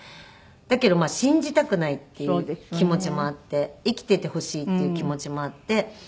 だけど信じたくないっていう気持ちもあって生きていてほしいっていう気持ちもあって。